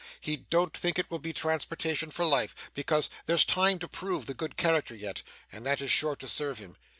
He don't think it will be transportation for life, because there's time to prove the good character yet, and that is sure to serve him.